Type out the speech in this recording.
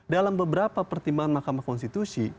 dalam beberapa pertimbangan mahkamah konstitusi